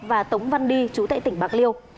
và tống văn đi chú tại tỉnh bạc liêu